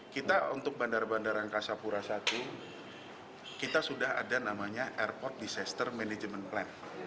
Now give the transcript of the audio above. kita untuk bandara bandara angkasa pura i kita sudah ada namanya airport disaster management plan